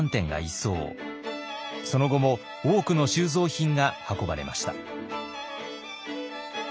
その後も多くの収蔵品が運ばれました。